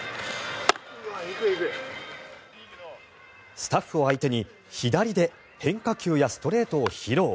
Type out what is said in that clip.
スタッフを相手に左で変化球やストレートを披露。